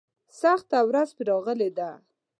سخته ورځ پرې راغلې ده.